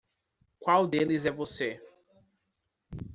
Qual deles é você?